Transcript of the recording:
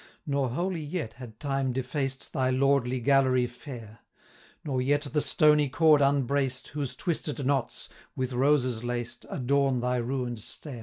Nor wholly yet had time defaced Thy lordly gallery fair; Nor yet the stony cord unbraced, 220 Whose twisted knots, with roses laced, Adorn thy ruin'd stair.